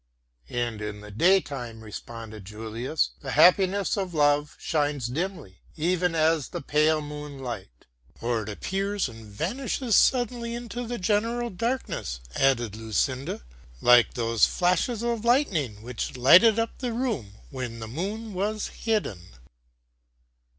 "And in the daytime," responded Julius, "the happiness of love shines dimly, even as the pale moonlight." "Or it appears and vanishes suddenly into the general darkness," added Lucinda, "like those flashes of lightning which lighted up the room when the moon was hidden."